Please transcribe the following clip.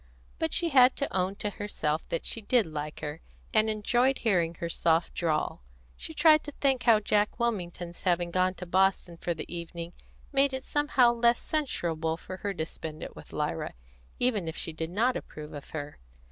But she had to own to herself that she did like her, and enjoyed hearing her soft drawl. She tried to think how Jack Wilmington's having gone to Boston for the evening made it somehow less censurable for her to spend it with Lyra, even if she did not approve of her.